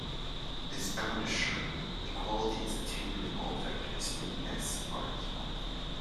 This bound is sharp; equality is attained when all vectors in "S" are equal.